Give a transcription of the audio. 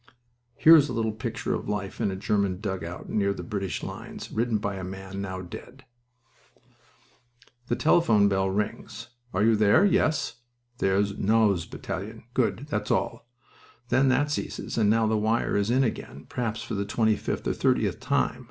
Here is a little picture of life in a German dugout near the British lines, written by a man now dead: "The telephone bell rings. 'Are you there? Yes, here's Nau's battalion.' 'Good. That is all.' Then that ceases, and now the wire is in again perhaps for the twenty fifth or thirtieth time.